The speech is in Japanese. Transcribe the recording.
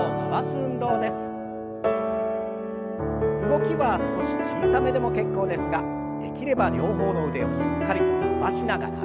動きは少し小さめでも結構ですができれば両方の腕をしっかりと伸ばしながら。